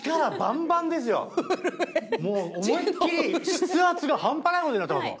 もう思いっ切り筆圧が半端ないことになってますもん。